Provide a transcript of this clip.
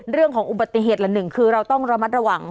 เรื่องของอุบัติเหตุละหนึ่งคือเราต้องระมัดระวัง